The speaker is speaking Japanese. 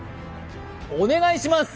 お願いします